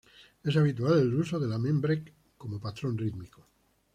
Es habitual el uso del amen break como patrón rítmico.